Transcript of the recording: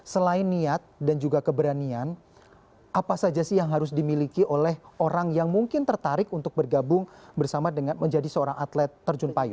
selain niat dan juga keberanian apa saja sih yang harus dimiliki oleh orang yang mungkin tertarik untuk bergabung bersama dengan menjadi seorang atlet terjun payu